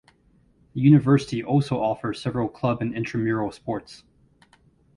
The university also offers several club and intramural sports.